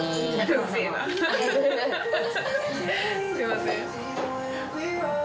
すいません。